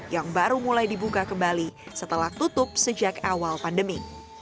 yang baru mulai dibuka kembali setelah tutup sejak awal pandemi